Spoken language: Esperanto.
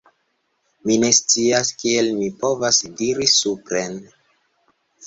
Mi ne scias kiel mi povas iri supren